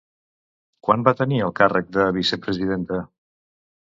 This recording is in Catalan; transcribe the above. Quan va tenir el càrrec de vicepresidenta?